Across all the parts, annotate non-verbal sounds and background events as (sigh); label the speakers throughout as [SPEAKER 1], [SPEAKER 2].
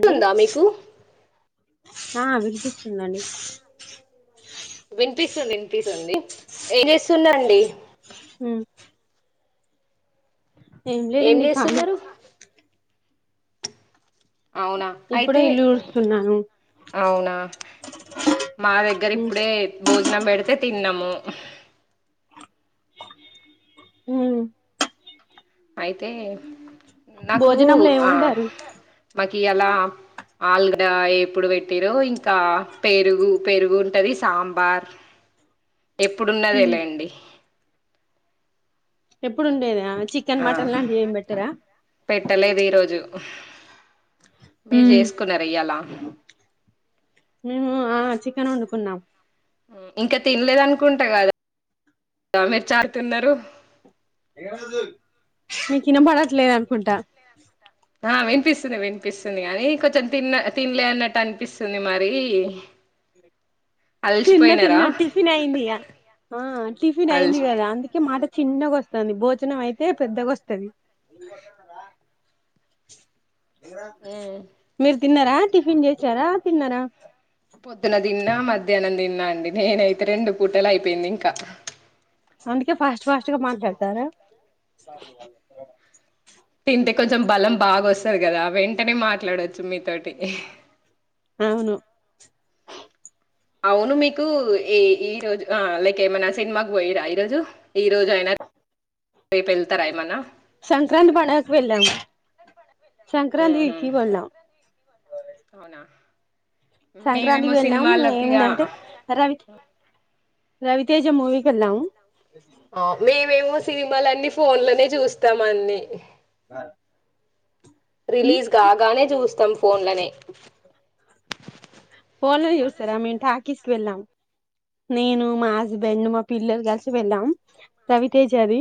[SPEAKER 1] (inaudible) తుందా మీకు.
[SPEAKER 2] ఆ వినిపిస్తుంది అండి.
[SPEAKER 1] వినిపిస్తుంది, వినిపిస్తుంది. ఏం చేస్తున్నా రండి.
[SPEAKER 2] ఉమ్,
[SPEAKER 1] ఏం
[SPEAKER 2] లేదండి ఖాళీ
[SPEAKER 1] చేస్తున్నారు. అవునా.
[SPEAKER 2] ఇప్పుడే
[SPEAKER 1] అయితే,
[SPEAKER 2] ఇల్లు ఊడుస్తున్నాను
[SPEAKER 1] అవునా. మా దగ్గర
[SPEAKER 2] ఉమ్,
[SPEAKER 1] ఇప్పుడే భోజ్ న పెడితే తిన్నము
[SPEAKER 2] హ
[SPEAKER 1] అయితే నాకు
[SPEAKER 2] భోజనంలో ఏం
[SPEAKER 1] ఆ
[SPEAKER 2] వండారు
[SPEAKER 1] మాకి అలా ఆల్గా ఎప్పుడు పెట్టిరో ఇంకా పెరుగు పెరుగు ఉంటది సాంబార్ ఎప్పుడున్నది
[SPEAKER 2] ఉమ్,
[SPEAKER 1] ఎలా అండి
[SPEAKER 2] ఎప్పుడుండేది
[SPEAKER 1] ఆ పెట్టలేదు ఈరోజు మీరు చేసుకున్నారు ఇయ్యాలా
[SPEAKER 2] ఆచ్చ వండుకున్నాం
[SPEAKER 1] ఇంకా తినలేద అనుకుంటా కదా మీరు చాతున్నారు
[SPEAKER 2] నీకు వినబడట్లేదు అనుకుంటా
[SPEAKER 1] ఆ వినిపిస్తుంది వినిపిస్తుంది కాగానీ కొంచెం తిన్న తినలే అన్నట్టు అనిపిస్తుంది మరి
[SPEAKER 2] తిన్న
[SPEAKER 1] అలసిపోయినారా
[SPEAKER 2] తిన్న టిఫిన్ అయిందీయ ఆ టిఫిన్ అయింది కదా అందుకే మా చిన్నగా వస్తుంది భోజనం అయితే పెద్దగాస్తుంది
[SPEAKER 1] అలసి
[SPEAKER 2] మీర్జ తిన్నారా టిఫిన్ చేసారా తిన్నారా
[SPEAKER 1] పొద్దున దిన్న మధ అనందిన్నా అండి నేనైతే రెండు పూటలు అయిపోయింది ఇంకా
[SPEAKER 2] అందుక ఫాస్ట్ ఫాస్ట్గా మాట్లాడతార
[SPEAKER 1] తింటే కొంచెం బలం బాగా వస్తుంది కదా వెంటనే మాట్లాడొచ్చు తొమ్మిది థర్టీ
[SPEAKER 2] అ
[SPEAKER 1] అవును మీకు ఈ ఈ రోజు ఆ లైక్ ఏమనా సినిమాకు పోయారా ఈ రోజు ఈ రోజు అయినా రేపు వెళ్తారా ఏమనా
[SPEAKER 2] సంక్రాంతి పండగకు వెళ్ళాము
[SPEAKER 1] ఉహు
[SPEAKER 2] సంక్రాంతికి వెళ్ళాం
[SPEAKER 1] అవునా
[SPEAKER 2] సంక్రాంతికి
[SPEAKER 1] మేమేమో
[SPEAKER 2] వెళ్ళాం
[SPEAKER 1] సినిమాలకి ఆ
[SPEAKER 2] ఏమిందంటే రవి రవితేజ మూవీకి వెళ్ళాము
[SPEAKER 1] మేమేమో సినిమాలన్ని ఫోన్ లోనే చూస్తాం అన్ని
[SPEAKER 2] క
[SPEAKER 1] రిలీజ్ కాగానే చూస్తాం ఫోన్లనే
[SPEAKER 2] ఫోన్లో చూస్తారా మేం టాకీస్కి వెళ్ళాం నేను మా హస్బెండ్ మా పిల్లలు కలిసి వెళ్ళాం రవితేజాది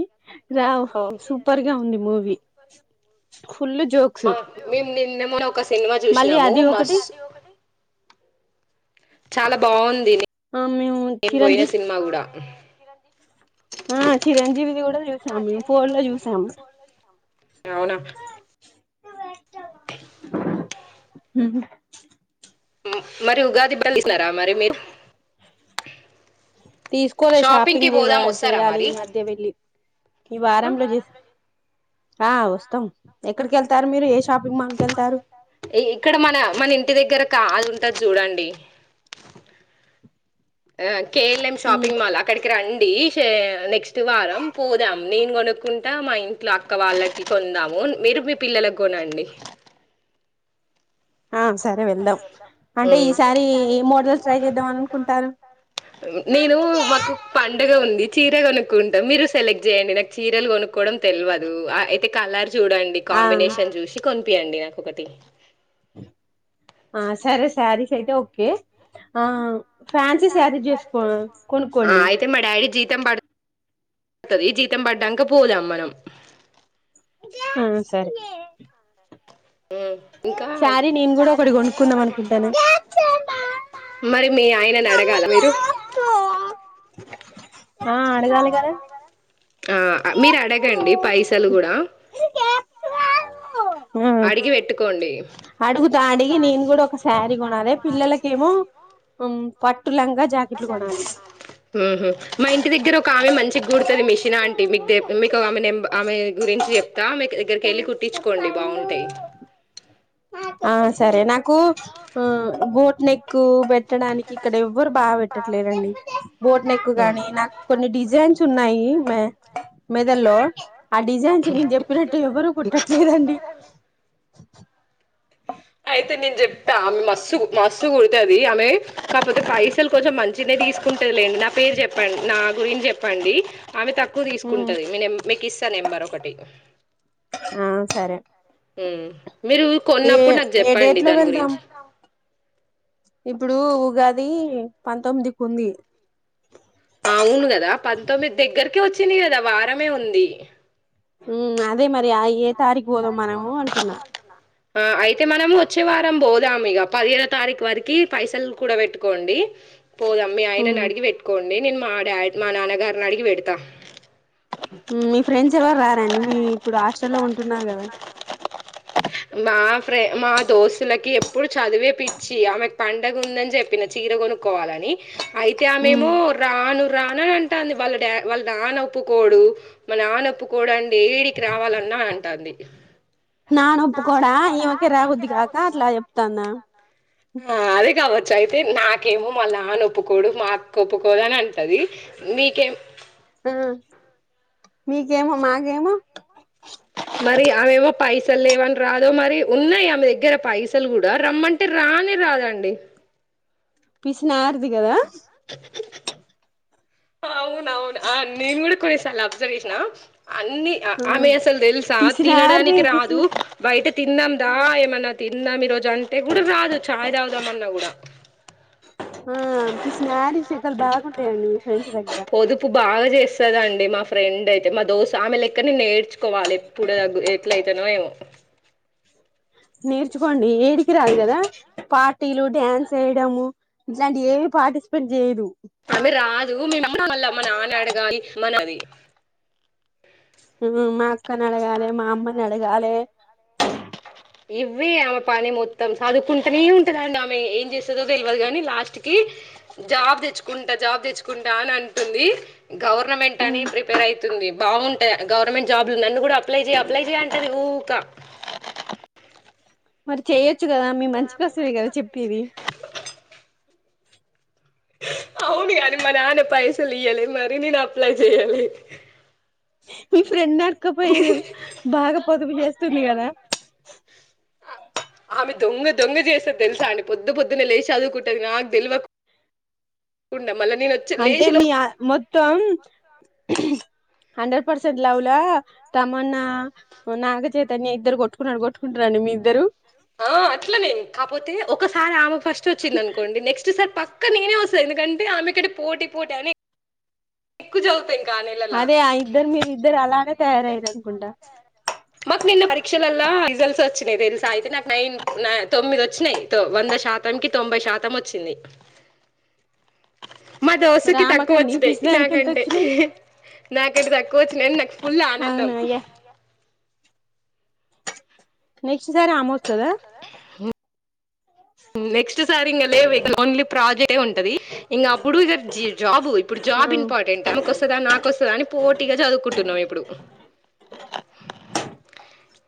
[SPEAKER 2] వావ్ సూపర్ గా ఉంది మూవీ వి
[SPEAKER 1] మా మేమ నిన్న మన్న ఒక సినిమా
[SPEAKER 2] మళ్ళీ
[SPEAKER 1] చూసినము
[SPEAKER 2] అది
[SPEAKER 1] మస్
[SPEAKER 2] ఒకటి
[SPEAKER 1] చాల బాగుంద్
[SPEAKER 2] ఆ మేము
[SPEAKER 1] పోయిన
[SPEAKER 2] చిరంజీవి
[SPEAKER 1] సినిమా గుడా
[SPEAKER 2] ఆ చిరంజీవిది గుడ చూసాము మేమ్ ఫోన్ లో చూసాము
[SPEAKER 1] అవునా (inaudible)
[SPEAKER 2] మ్
[SPEAKER 1] ము మరి ఉగాదిబ్బల్సినారా మరి మీరు
[SPEAKER 2] తీసుకోలే
[SPEAKER 1] కి
[SPEAKER 2] షాపింగ్ చేవ
[SPEAKER 1] పోదాం వస్తారా
[SPEAKER 2] చేయాలి
[SPEAKER 1] మరి
[SPEAKER 2] ఈ మధ్య వెళ్ళి ఈ వారంలో చేస్ ఆ వస్తాం ఎక్కడికి ఎళ్తారు మీర్
[SPEAKER 1] ఇక్కడ మన మన ఇంటి దగ్గర కాద్ ఉంటద్ చూడండి ఆ కేఎల్ఎం షాపింగ్ మాల్ అక్కడికి రండీ నెక్స్ట్ వారం పోదాం నేను కొనుక్కుంటా మా ఇంట్లో అక్క వాళ్ళకి కొందాము మీరు మీ పిల్లలక్ కొనండి
[SPEAKER 2] ఆ సరే వెళ్దాం అంటే ఈసారి ఏ మోడల్ ట్రై చేద్దాం అని అనుకుంటారు
[SPEAKER 1] మ్ నేనూ మాకు పండుగ ఉంది చీరగొనుక్ ఉంట మీరు సెలెక్ట్ చేయండి నాక్ చీరల్ కొనుక్కోవడం తెల్వదూ అయితే కలర్ డండి
[SPEAKER 2] ఆ
[SPEAKER 1] కాంబినేషన్ చూషి కొన్ పి అండి నాకొకటి
[SPEAKER 2] ఆ సరే సారీస్ ఐతే ఓకే ఆ ఫ్యాన్సీ సారి చేసుకో కొన్కోండి
[SPEAKER 1] తం పడ్ తది జీతం పడ్డంక పోదాం మనం
[SPEAKER 2] ఆ సరే
[SPEAKER 1] ఇంకా
[SPEAKER 2] సారి నేన్ గుడా ఒకటి కొనుక్కుందాం అన్కుంటాన
[SPEAKER 1] మరి మీ ఆయనన్ అడగాల మీరు
[SPEAKER 2] ఆ అడగాలె
[SPEAKER 1] ఆ మీర్ అడగండి పైసల్ గుడా
[SPEAKER 2] ఆ
[SPEAKER 1] అడిగి వెట్టుకోండ్
[SPEAKER 2] అడుగుతా అడిగి నేన్ గుడ ఒక శారీ కొనాలె పిల్లలకేమో పట్
[SPEAKER 1] మ్ హ్ మా ఇంటి దగ్గర ఒక ఆమె మంచిగ్ గుడుతది మిషినాంటి మీకు మీకు ఆమెెం ఆమె గురించి చెప్ మీకు దగ్గరికి వెళ్ళి కుట్టించుకోండి బాగుంటయి
[SPEAKER 2] ఆ సరే నాకు ఆ బోట్ నెక్ పెట్టడానికి ఇక్కడ ఎవ్వరు బాగా పెట్టట్లేదండి బోట్ నెక్ కానీ నాకు కొన్ని డిజైన్స్ ఉన్నాయి మ మెదల్లో ఆ డిజైన్స్ నేను చెప్పినట్ ట్టు ఎవరూ కుట్టట్లేదండి
[SPEAKER 1] అయితే నేను చెప్తా ఆమె మస్సు మస్సు గుడుతుది ఆమె కాకపోతే పైసలు కొంచెం మంచినే తీసుకుంటది లేండి నా పేరు చెప్పండి నా గురించి చెప్పండి ఆమె తక్కువ
[SPEAKER 2] ఉమ్
[SPEAKER 1] తీసుకుంటది మీ నే మీకు ఇస్తా నంబర్ ఒకటి
[SPEAKER 2] ఆ సరే
[SPEAKER 1] ఆ మీరు
[SPEAKER 2] ఏ
[SPEAKER 1] కొన్నప్పుడు నాకు
[SPEAKER 2] ఏ డేట్
[SPEAKER 1] చెప్పండి
[SPEAKER 2] లో
[SPEAKER 1] దాని
[SPEAKER 2] వెళ్దాం
[SPEAKER 1] గురించి
[SPEAKER 2] ఇప్పుడు ఉగాది పంతొమ్మిదికి ఉంది
[SPEAKER 1] అవును కదా పంతొమ్మిది దగ్గరకే వచ్చింది కదా వారమే ఉంది
[SPEAKER 2] ఉ అదే మరి ఆ ఏ తారీఖు పోదాం మనము అంటున్నా
[SPEAKER 1] ఆ అయితే మనం వచ్చే వారం పోదాం ఇక పదిహేనో తారీఖు వరకి పైసలు కూడా పెట్టుకోండి పోదమ్ మీ ఆయనని
[SPEAKER 2] ఉమ్
[SPEAKER 1] అడిగి పెట్టుకోం అండి నేను మా డా మా నాన్నగారిని అడిగి పెడతా
[SPEAKER 2] మీ ఫ్రెండ్స్ ఎవరు రారంండి మీ ఇప్పుడు హాస్ట్రల్లో ఉంటున్నారు కదా
[SPEAKER 1] మా ఫ్రె మా దోస్తులకి ఎప్పుడు చదివే పిచ్చి ఆమెకు పండగ ఉందని చెప్పిన చీర కొనుక్కోవాలని అయితే ఆ
[SPEAKER 2] ఉమ్
[SPEAKER 1] మేమో రాను రానని అం టన్ది వాళ్ళ డ వాళ్ళ నానోప్పుకోడు మా నానోప్పు కోదండి ఏడికి రావాలన్నా అంటంది
[SPEAKER 2] నానొప్పుకోడా ఈమేకే రాబుద్ది కాక అట్లా చెప్తాందా
[SPEAKER 1] ఆ అదే కావ అయితే నాకేమో మళ్ళా ఆన ఒప్పుకోడు మా అక్క ఒప్పుకోదు అని అం టది మీకేం
[SPEAKER 2] ఆ మీకేమో మాగేమో
[SPEAKER 1] మరి ఆమెేమో పైసలు లేవని రాదో మరి ఉన్నాయి ఆమె దగ్గర పైసలు కూడా రమ్మంటే రానీ రాదండి
[SPEAKER 2] పిసిన ఆర్ది కదా
[SPEAKER 1] అవును అవును నేన్ కూడా కొనేసాలా అబ్జర్వేషనా అన్ని
[SPEAKER 2] ఆ
[SPEAKER 1] ఆమె అసలు తెలుసా
[SPEAKER 2] పిసినారిది
[SPEAKER 1] తినడానికి
[SPEAKER 2] పిసిన
[SPEAKER 1] రాదు బయట తిన్నాం దా ఏమన్నా తిందాం ఈ రోజు అంటే కూడా రాదు ఛాయ్ తాగుదామన్నా కూడా
[SPEAKER 2] ఆ పిస్నారీ శకలు బాగుంటాయండి ఫ్రెండ్స్ దగ్గర
[SPEAKER 1] పొదుపు బాగా చేస్ సదండి మా ఫ్రెండ్ అయితే, మా దోస్ ఆమె లెక్కనే నేర్చుకోవాలె, ఎప్పుడు ఎట్లయితనో ఏమో
[SPEAKER 2] నేర్చుకోండి ఏడికి రాదు కదా, పార్టీలు డ్యాన్స్ ఏయడము ఇట్లాంటి ఏవి పార్టిసిపేట్ చేయదు.
[SPEAKER 1] గయి మనది.
[SPEAKER 2] మా అక్కనడగాలె, మా అమ్మని అడగాలె
[SPEAKER 1] ఇవ్వే ఆమె పని మొత్తం సదువుకుంటనే ఉంటందండి ఆమె, ఏం చేస్తుదో తెలియదు గని లాస్ట్ కి జాబ్ తెచ్చుకుంటా జాబ్ తెచ్చుకుంటా అని అంటుంది. గవర్నమెంట్ అని ప్రిపేర్ అయి టుంది బాగుంటయి గవర్నమెంట్ జాబ్లు ఉంది నన్ను కూడా అప్లై చెయ్ అప్లై చెయ్ అంటది, ఊక
[SPEAKER 2] మరి చేయొచ్చు కదా మీ మంచి కోసమే కదా చెప్పేది.
[SPEAKER 1] అవును కని మా నాన్న పైసలు ఇయ్యలె మరి నేను అప్లై చెయ్యాలె.
[SPEAKER 2] మీ ఫ్రెండ్ అడక్క పోర్రూ, బాగా పొదుపు చేస్ స్తుంది కదా.
[SPEAKER 1] ఆమె దొంగ దొంగ చేస్తది తెలుసానే, పొద్దు పొద్దున లేశి చదువుకుంటుంది, నాకు తెలివకున్
[SPEAKER 2] అంటే మీ ఆ మొత్తం హండ్రెడ్ పర్సెంట్ లవ్లా తమన్నా, నాగచైతన్య ఇద్దరు కొట్టుకున్నట్టు కొట్టుకుంటరండి మీ ఇద్దరు.
[SPEAKER 1] ఆ అట్లనేను కాపోతే ఒకసారి ఆమకు ఫస్ట్ వచ్చింది అనుకోండి, నెక్స్ట్ సార్ పక్ క్క నేనే వస్త ఎందుకంటే ఆమె కంటే పోటీ పోటీ అని. ఎకు జవ్
[SPEAKER 2] అదే ఆ ఇద్దరు, మీ ఇద్దరు అలానే తయారయ్యారు అనుకుంటా
[SPEAKER 1] మాక్ నిన్న పరీక్ష లల్లా రిజల్ట్స్ వచ్చినయ్ తెలుసా అయితే, నాకు నైన్ న తొమ్మిది వచ్చినయి తో వంద శాతం కి తొంభై శాతం వచ్చింది. మా దోస్త్
[SPEAKER 2] మరి
[SPEAKER 1] కి తక్కువ
[SPEAKER 2] ఆమెకండి
[SPEAKER 1] వచ్చినయ్
[SPEAKER 2] పిసినారికి ఎంత
[SPEAKER 1] నాకంటే,
[SPEAKER 2] వచ్చినాయి
[SPEAKER 1] నాకంటే తక్కువ వచ్చినయి అని నాకు ఫుల్ ఆనందం.
[SPEAKER 2] అవునా అయ్యా నెక్స్ట్ సారి ఆమో వస్
[SPEAKER 1] ఉమ్ నెక్స్ట్ సారి ఇంగ లేవు ఇక ఓన్లీ ప్రాజెక్టే ఉంటది, ఇంగ అప్పుడు ఇగ జాబు ఇప్పుడు
[SPEAKER 2] ఆ
[SPEAKER 1] జాబ్ ఇంపార్టెంట్ ఆమెకు వస్తదా నాక్ వస్తద అని పోటీగా చదువుకుంటున్నం ఇప్పుడు.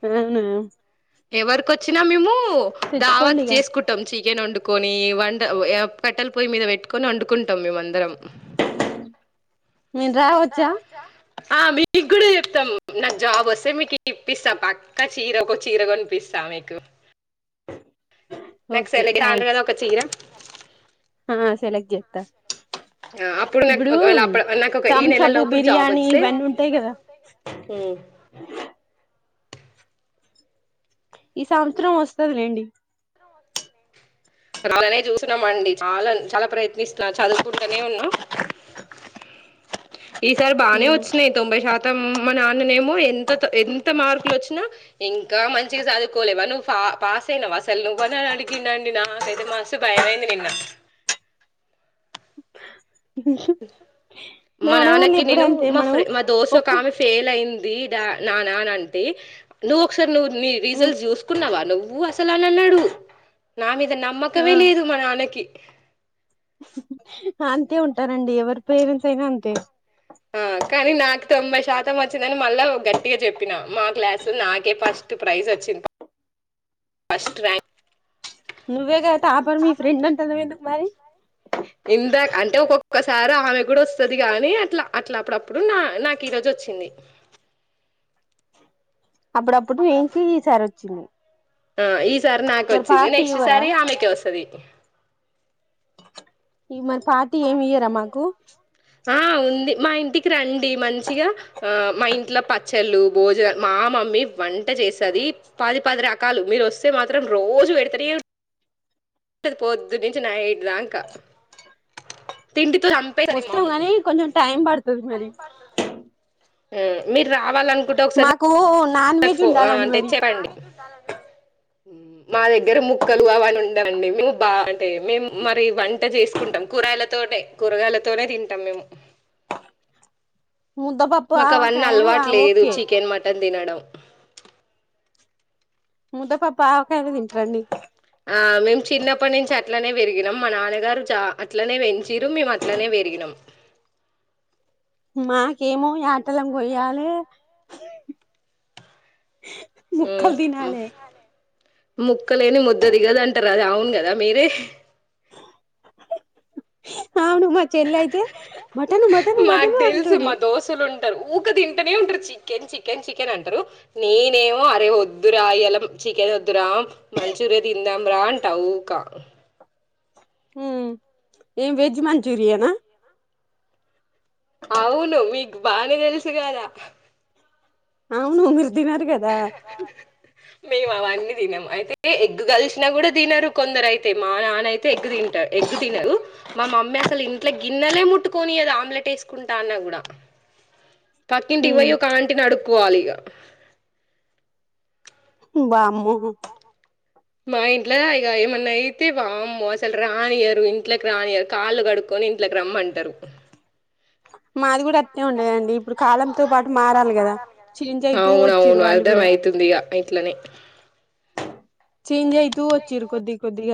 [SPEAKER 2] అవునా
[SPEAKER 1] ఎవరికొచ్చినా మేము దావాత్
[SPEAKER 2] తెచ్చుకోండి ఇగ
[SPEAKER 1] చేసుకుంటాం చికెన్ వండుకు కొని వంట ఆహ్ కట్టెలపొయ్యి మీద పెట్టుకొని వండుకుంటాం మేము అందరం.
[SPEAKER 2] నేను రావచ్చా?
[SPEAKER 1] ఆహ్ మీకు కూడా చెప్తాం, నాకు జాబ్ వస్తే మీకు ఇప్పిస్తా పక్కా చీర ఒక చీర కొనిపిస్తా మీకు. నాకు
[SPEAKER 2] ఓకే
[SPEAKER 1] సెలెక్ట్ కాను
[SPEAKER 2] థ్యాంక్స్.
[SPEAKER 1] కదా ఒక చీర
[SPEAKER 2] ఆహ్ సెలెక్ట్ చేస్తా,
[SPEAKER 1] ఆ, అప్పుడు నాకు
[SPEAKER 2] ఇప్పుడు
[SPEAKER 1] ఒకవేళ అప్పుడు నాకు ఒక ఈ నెల
[SPEAKER 2] తంసపు
[SPEAKER 1] లోపల జాబ్
[SPEAKER 2] బిర్యానీ
[SPEAKER 1] వస్తే
[SPEAKER 2] ఇవన్నీ ఉంటాయి కదా. ఈ సంవత్సరం వస్తుదిలేండి
[SPEAKER 1] అలానే చూసినం అండి చాల చాలా ప్రయత్నిస్తున్నా చదువుకుంటూనే ఉన్నా ఈసారి బాగా వచ్చినాయి తొంభై శాతం మా నాన్ననేమో ఎంత త ఎంత మార్కులు వచ్చినా ఇంకా మంచిగా చదువుకోలేవా నువ్వు పా పాస్ అయినావ అసలు నువ్వు అని అడిగిండండి నాకు ఐతే మస్తు భయమైంది నిన్న మా
[SPEAKER 2] నాన్న వాళ్ళు
[SPEAKER 1] నాన్నకి
[SPEAKER 2] ఎప్పుడు
[SPEAKER 1] నేను
[SPEAKER 2] అంతే
[SPEAKER 1] మా
[SPEAKER 2] మనం
[SPEAKER 1] ఫ్రెం మా దోస్త్ ఒక
[SPEAKER 2] ఒక్క
[SPEAKER 1] ఆమె ఫెయిల్ అయింది ఈ డా నానా నాంటి నువ్వు ఒకసారి మీ రీజల్ట్స్ చూసుకున్నావా నువ్వు అస సలాలన్నాడు నా మీద అసలు నమ్మకమే
[SPEAKER 2] ఆ
[SPEAKER 1] లేదు మా నాన్నకి హ
[SPEAKER 2] అంతే ఉంటారండి ఎవరి పేరెంట్స్ అయినా అంతే
[SPEAKER 1] ఆహ్ కానీ నాకు తొంభై శాతం వచ్చిందని మళ్ళా గట్టిగా చెప్పినా మా క్లాసు లో నాకే ఫస్ట్ ప్రైజ్ వచ్చింది ఫస్ట్ ర్యాంక్
[SPEAKER 2] నువ్వేగా టాపర్ మీ ఫ్రెండ్ అంటున్నావ్ ఎందుకు మరి
[SPEAKER 1] ఇందా అంటే ఒక్కో ఒకసారి ఆమె కూడా వస్తది గాని అట్లా అట్లా అప్పుడప్పుడు నా నాకు ఈ రోజు వచ్చింది
[SPEAKER 2] అప్పుడప్పుడు నీకి ఈసారి వచ్చింది
[SPEAKER 1] ఆహ్ ఈ సారి నాకు
[SPEAKER 2] మరి
[SPEAKER 1] వచ్చింది
[SPEAKER 2] పార్టీ
[SPEAKER 1] నెక్స్ట్
[SPEAKER 2] ఇవ్వరా
[SPEAKER 1] సారి ఆమెకే వస్తది
[SPEAKER 2] ఇ మరి పార్టీ ఏమి ఇయ్యరా మాకు
[SPEAKER 1] ఆహ్ ఉంది మా ఇంటికి రండి మంచిగా ఆహ్ మా ఇంట్లో పచ్చళ్ళు భోజనాలు మా మమ్మీ వంట చేసది పది పది రకాలు మీరు వస్తే మాత్రం రోజు పెడుతనే ఉం పోద్దు నుంచి నడుద అకా తి
[SPEAKER 2] వస్తంగానీ కొంచెం టైమ్ పడుతుంది అ మరి
[SPEAKER 1] హమ్ మీరు రావాల అనుకుంటా ఒకసారి
[SPEAKER 2] మాకు నాన్
[SPEAKER 1] కు
[SPEAKER 2] వెజ్
[SPEAKER 1] ఫో
[SPEAKER 2] ఉండాలండి మరి
[SPEAKER 1] తెచ్చే రండి మా దగ్గర ముక్కలు అవని ఉండండి మేము బాగాంటే మేము మరి వంట చేసుకుంటాం కూరగాయలతోనే కూరగాయలతోనే తింటాం మేము
[SPEAKER 2] ముంద పప్పుకాయలు ఓకే
[SPEAKER 1] అందినడం
[SPEAKER 2] ముంద పాప ఆకాయద తింట్రండి
[SPEAKER 1] ఆ మేము చిన్నప్పటి నుంచి అట్లనే పెరిగినాం మా నాన్నగారు చ అట్లనే వయించరు మేము అట్లానే వెరిగినాం
[SPEAKER 2] మాకేమో ఆటలం కొయ్యాలి ముక్కల్దిన
[SPEAKER 1] ముక్కలేని ముద్ద దిగదంటారు అది అవును కదా మీరే
[SPEAKER 2] అవును మా చెల్లి అయితే మటన్ మటను
[SPEAKER 1] మాకు
[SPEAKER 2] మటను
[SPEAKER 1] తెలుసు
[SPEAKER 2] అంటుంది
[SPEAKER 1] మా దోస్తులు ఊక తింటేనే ఉంటారు చికెన్ చికెన్ చికెన్ అంటారు నేనేమో అరే వద్దురా ఇ్యలాం చికెన్ వద్దురా మంచూరియా తిందాం రా అంటా ఊక
[SPEAKER 2] హ్మ్ ఏ వెజ్ మంచూరియనా
[SPEAKER 1] అవును మీ బానే తెెల్సు గాద
[SPEAKER 2] అవును మిర్రు దినర్ గదా
[SPEAKER 1] మేము అవన్నీ దినమ్ అయితే ఎగ్ గల్సినా గుడా దినరు కొందరైతే మా నాన్నాయితే ఎగ్గు తింటా ఎగ్గు తినరు మా మమ్మీ అస్సల్ ఇంట్లో గిన్నెలే ముట్టుకొనియదు ఆమ్లెట్ ఎస్కుంటా అన్న గూడ పక్కింటి బోయి ఒక ఆంటిని అడుగ్ క్వాలిగా
[SPEAKER 2] వామ్మో
[SPEAKER 1] మా ఇంట్లో ఇగ ఏమన్నా అయితే వామ్మో అస్సలు రానియరు ఇంట్లోకి రానియరు కాళ్ళు గడుక్కొని ఇంట్లోకి రమ్మంటరు
[SPEAKER 2] మాది గూడా అట్నె ఉండెదండి ఇప్పుడు కాలంతో పాటు మారాలి గదా చేేంజ్ అయి తూ వచ్చిర్రు వాళ్ళు గుడా
[SPEAKER 1] బేట్లనే
[SPEAKER 2] చేేంజ్ అయితూ వచ్చిరు కొద్దిగ్ కొద్దిగా